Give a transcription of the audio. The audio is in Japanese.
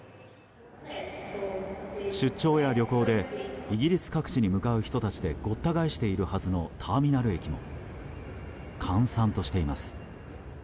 出張や旅行でイギリス各地に向かう人たちでごった返しているはずのターミナル駅も閑散としています。